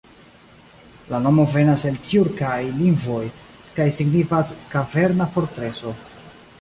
La nomo venas el tjurkaj lingvoj kaj signifas "kaverna fortreso".